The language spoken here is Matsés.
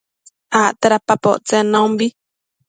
acte dada poteshun naumbi